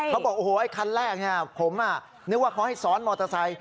เขาบอกโอ้โหไอ้คันแรกผมนึกว่าเขาให้ซ้อนมอเตอร์ไซค์